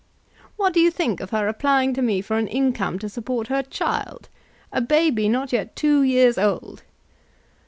What do you think of her applying to me for an income to support her child, a baby not yet two years old?"